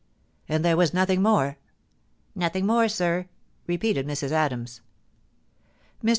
* And there was nothing more P * Nothing more, sir,' repeated Mrs. Adams. Mr.